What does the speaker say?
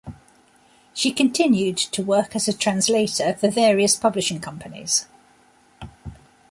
She continued to work as a translator for various publishing companies.